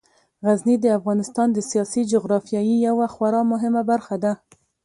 غزني د افغانستان د سیاسي جغرافیې یوه خورا مهمه برخه ده.